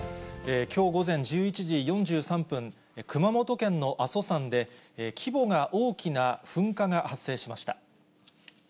きょう午前１１時４３分、熊本県の阿蘇山で、規模が大きな噴火が発生しました。